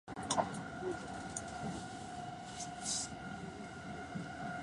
ドレンテ州の州都はアッセンである